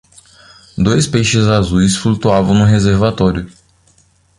Dois peixes azuis flutuavam no reservatório.